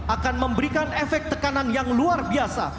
akan memberikan efek tekanan yang luar biasa